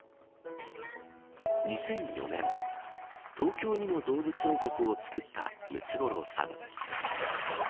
２００４年東京にも動物王国を作ったムツゴロウさん。